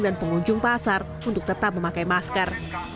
dan pengunjung pasar untuk tetap memakai masker